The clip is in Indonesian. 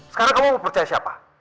sekarang kamu percaya siapa